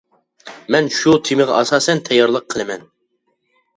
مەن شۇ تېمىغا ئاساسەن تەييارلىق قىلىمەن.